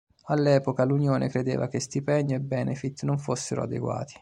All'epoca, l'unione credeva che stipendio e benefit non fossero adeguati.